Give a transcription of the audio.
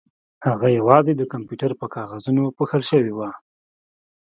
هغه یوازې د کمپیوټر په کاغذونو پوښل شوې وه